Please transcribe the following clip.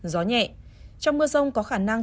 gió nhẹ trong mưa rông có khả năng